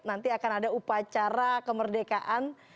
nanti akan ada upacara kemerdekaan